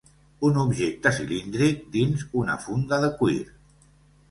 Un objecte cilíndric, dins una funda de cuir